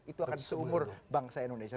itu akan seumur bangsa indonesia